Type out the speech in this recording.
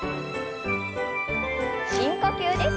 深呼吸です。